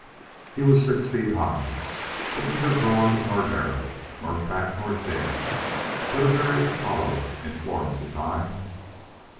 He was six feet high, but neither broad nor narrow, nor fat nor thin, but a very Apollo in Florence's eye.